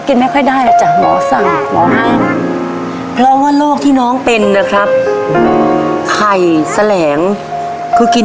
เขาก็ต้องฝืนกิน